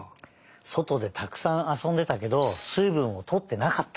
そとでたくさんあそんでたけどすいぶんをとってなかった！